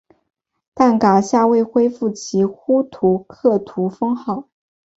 但噶厦未恢复其呼图克图封号。